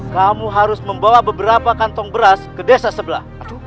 kamu harus membawa beberapa kantong beras ke desa sebelah